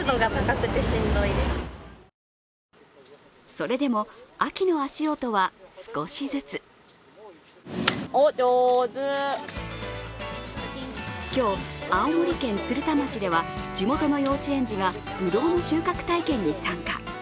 それでも、秋の足音は少しずつ今日、青森県鶴田町では地元の幼稚園児がぶどうの収穫体験に参加。